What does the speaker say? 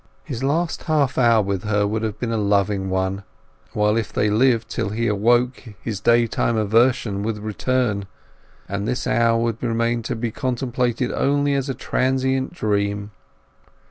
His last half hour with her would have been a loving one, while if they lived till he awoke, his day time aversion would return, and this hour would remain to be contemplated only as a transient dream.